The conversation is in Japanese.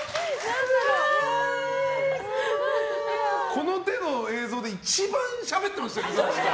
この手の映像で一番しゃべってましたね。